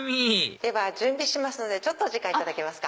では準備しますのでちょっとお時間頂けますか？